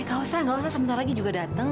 eh gak usah gak usah sebentar lagi juga dateng